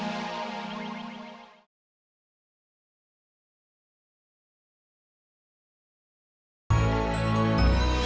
yang membuat kita merasa